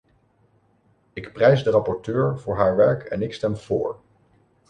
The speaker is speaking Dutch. Ik prijs de rapporteur voor haar werk en ik stem vóór.